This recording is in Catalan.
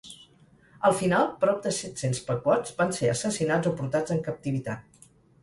Al final, prop de set-cents pequots van ser assassinats o portats en captivitat.